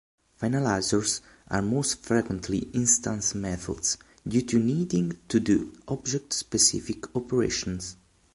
Finalizers are most frequently instance methods, due to needing to do object-specific operations.